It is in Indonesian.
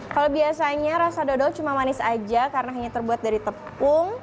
kalau biasanya rasa dodol cuma manis aja karena hanya terbuat dari tepung